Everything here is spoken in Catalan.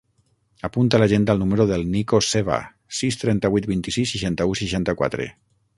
Apunta a l'agenda el número del Nico Seva: sis, trenta-vuit, vint-i-sis, seixanta-u, seixanta-quatre.